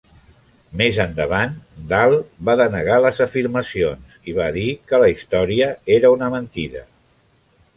Més endavant, Dahl va denegar les afirmacions, i va dir que la història era una mentida.